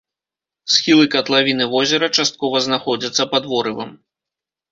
Схілы катлавіны возера часткова знаходзяцца пад ворывам.